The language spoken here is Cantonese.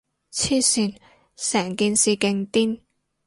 黐線，成件事勁癲